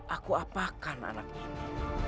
aku apakan anakku ini